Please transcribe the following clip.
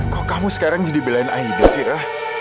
kok kamu sekarang jadi belain aida sih ra